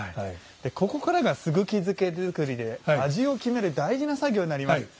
ここからがすぐき漬け作りで味を決める大事な作業になります。